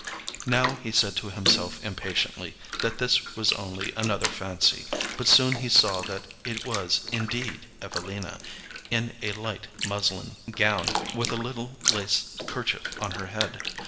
Now he said to himself impatiently that this was only another fancy; but soon he saw that it was indeed Evelina, in a light muslin gown, with a little lace kerchief on her head.